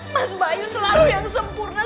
mas bayu selalu yang sempurna